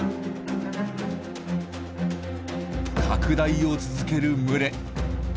拡大を続ける群れ。